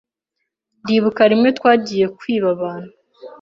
ndibuka rimwe twagiye kwiba abantu ,